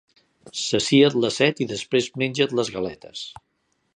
Sacia't la set i després menja't les galetes.